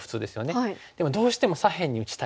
でもどうしても左辺に打ちたい。